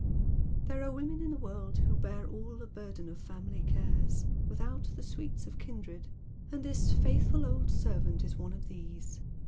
There aro women in tlie world who bear all the burden of family cares without the sweets of kindred, and this faithful old servant is one of these.